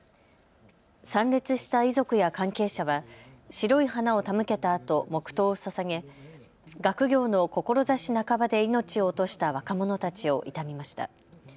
参列した遺族や関係者は白い花を手向けたあと黙とうをささげ学業の志半ばで命を落とした若者たちを悼みました。